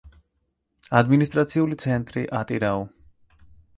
ადმინისტრაციული ცენტრი ატირაუ.